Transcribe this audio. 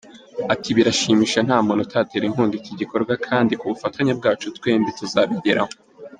Ati “Birashimishije nta muntu utatera inkunga iki gikorwa kandi kubufatanye bwacu twembi tuzabigeraho.